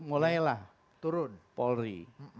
mulailah turun polri